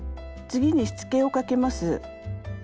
次にしつけをかけます。